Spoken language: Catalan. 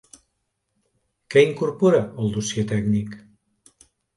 Què incorpora el dossier tècnic?